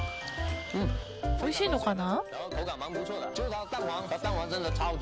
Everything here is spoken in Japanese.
おいしいのかな？